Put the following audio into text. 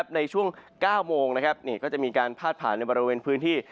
ในช่วง๙โมงก็จะมีการพาดผ่านในบริเวณพื้นที่